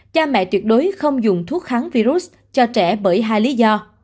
cha mẹ tuyệt đối không dùng thuốc kháng virus cho trẻ bởi hai lý do